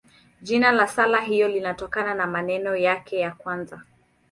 Jina la sala hiyo linatokana na maneno yake ya kwanza.